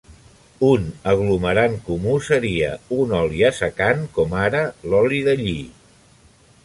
Un aglomerant comú seria un oli assecant, com ara l'oli de lli.